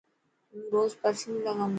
هون روز پرفيوم لگائون تو.